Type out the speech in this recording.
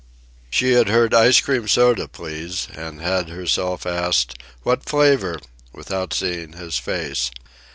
She had heard, "Ice cream soda, please," and had herself asked, "What flavor?" without seeing his face.